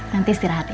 nanti istirahat ya